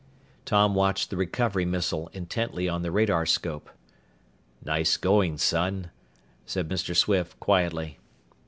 Tom watched the recovery missile intently on the radarscope. "Nice going, son," said Mr. Swift quietly.